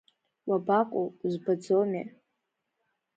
Уабаҟоу, узбаӡомеи?!